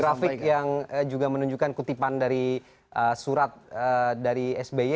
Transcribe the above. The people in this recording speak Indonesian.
grafik yang juga menunjukkan kutipan dari surat dari sby